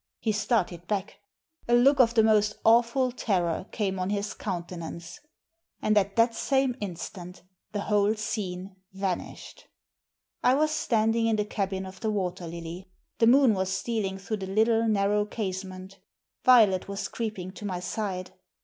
He started back. A look of the most awful terror came on his countenance. And Digitized by VjOOQIC 290 THE SEEN AND THE UNSEEN at that same instant the whole scene vanished. I was standing in the cabin of the Water Lily. The moon was steah'ng through the little narrow casement Violet was creeping to my side.